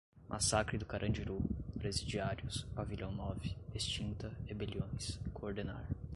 massacre do Carandiru, presidiários, pavilhão nove, extinta, rebeliões, coordenar